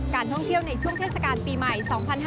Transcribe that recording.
ท่องเที่ยวในช่วงเทศกาลปีใหม่๒๕๕๙